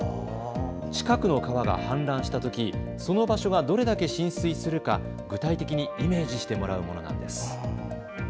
近くの川が氾濫したときその場所がどれだけ浸水するか具体的にイメージしてもらうものなんです。